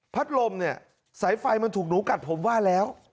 ลมเนี่ยสายไฟมันถูกหนูกัดผมว่าแล้ว